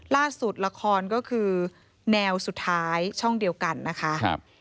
ล่าสุดละครก็คือแนวสุดท้ายช่องเดียวกันนะคะ